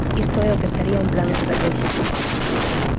Isto é o que sería un plan estratéxico.